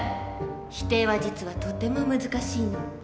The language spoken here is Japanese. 否定は実はとても難しいの。